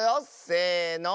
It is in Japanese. せの。